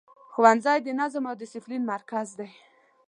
ښوونځی د نظم او دسپلین مرکز دی.